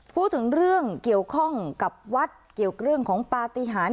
พูดถึงเรื่องเกี่ยวข้องกับวัดเกี่ยวเรื่องของปฏิหาร